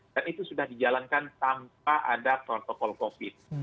itu sudah dijalankan tanpa ada protokol covid